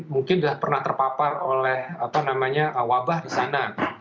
mungkin sudah pernah terpapar oleh wabah di sana